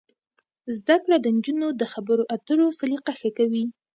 زده کړه د نجونو د خبرو اترو سلیقه ښه کوي.